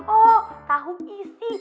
oh tahu isi